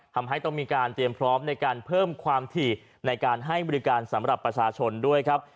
ทำให้ต้องมีการเตรียมพร้อมในการเพิ่มความถี่ในการให้บริการสำหรับประชาชนด้วยครับ